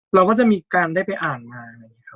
เราก็จะมีการได้ไปอ่านมา